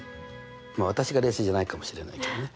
まあ私が冷静じゃないかもしれないけどね。